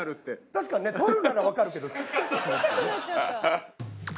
確かにね取るならわかるけどちっちゃくするってね。